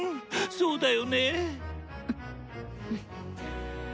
そうだよね！